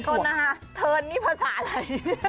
เถิดนะฮะเทินนี่ภาษาอะไร